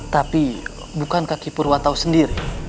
tapi bukankah ki purwa tahu sendiri